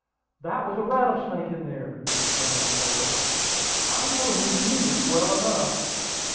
"That was a rattlesnake in there!" exclaimed Chloe. "I know his music well enough."